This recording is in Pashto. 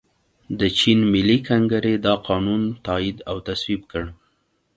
د چین ملي کنګرې دا قانون تائید او تصویب کړ.